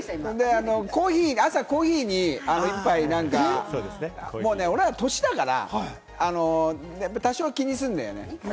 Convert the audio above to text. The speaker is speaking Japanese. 朝、コーヒーに１杯なんか、もう俺ら年だから多少、気にするんだよね。